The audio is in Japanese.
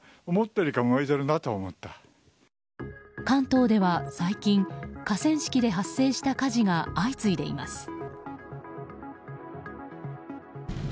関東では最近河川敷で発生した火事が相次いでいます。